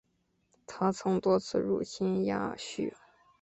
他曾多次入侵亚述。